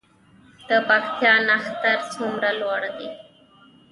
د پکتیا نښتر څومره لوړ دي؟